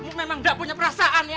kamu memang gak punya perasaan ya